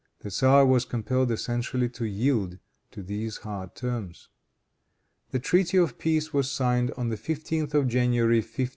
The tzar was compelled essentially to yield to these hard terms. The treaty of peace was signed on the 15th of January, 1582.